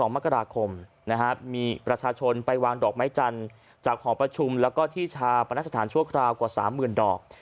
มกราคมมีประชาชนไปวางดอกไม้จันทร์จากหอประชุมแล้วก็ที่ชาปนสถานชั่วคราวกว่า๓๐๐๐ดอก